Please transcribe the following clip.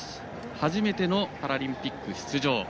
初めてのパラリンピック出場。